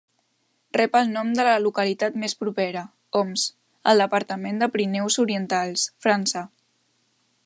Rep el nom de la localitat més propera, Oms, al departament de Pirineus Orientals, França.